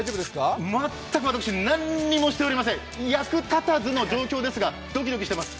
全く私、何もしておりません役立たずの状況ですが、ドキドキしています。